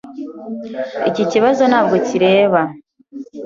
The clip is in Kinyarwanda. Iki kibazo ntabwo kireba.